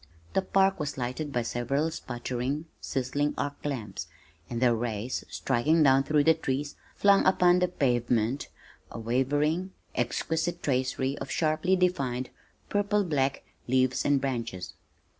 The park was lighted by several sputtering, sizzling arc lamps, and their rays striking down through the trees, flung upon the pavement a wavering, exquisite tracery of sharply defined, purple black leaves and branches.